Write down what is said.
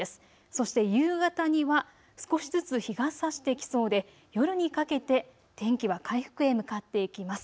そして夕方には少しずつ日がさしてきそうで、夜にかけて天気は回復へ向かっていきます。